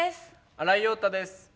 新井庸太です。